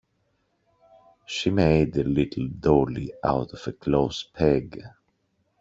She made a little dolly out of a clothes peg